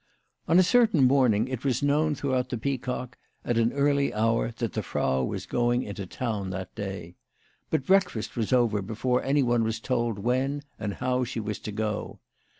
On a certain morning it was known throughout the Peacock at an early hour that the Frau was going into town that day. But breakfast was over before any one was told when and how she was to go.